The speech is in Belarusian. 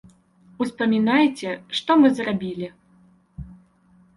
Успамінайце, што мы зрабілі.